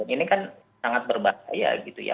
ini kan sangat berbahaya gitu ya